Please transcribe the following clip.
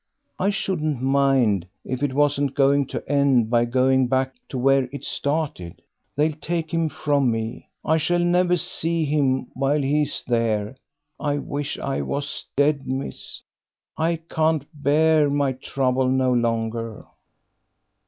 I shouldn't mind if it wasn't going to end by going back to where it started.... They'll take him from me; I shall never see him while he is there. I wish I was dead, miss, I can't bear my trouble no longer."